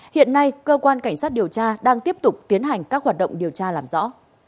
hiện nay cơ quan cảnh sát điều tra đang tiếp tục tiến hành các hoạt động điều tra làm rõ